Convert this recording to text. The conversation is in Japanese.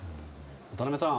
渡辺さん